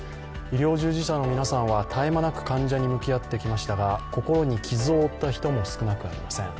医療従事者の皆さんは絶え間なく患者に向き合ってきましたが心に傷を負った人も少なくありません。